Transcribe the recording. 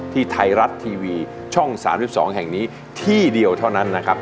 ที่ไทยรัฐทีวีช่อง๓๒แห่งนี้ที่เดียวเท่านั้นนะครับ